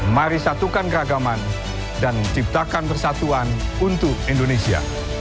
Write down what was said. mari satukan keragaman dan ciptakan persatuan untuk indonesia